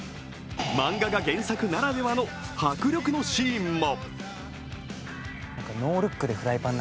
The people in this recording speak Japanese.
漫画が原作ならではの迫力のシーンも。